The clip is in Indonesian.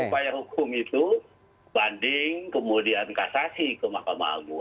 upaya hukum itu banding kemudian kasasi ke mahkamah agung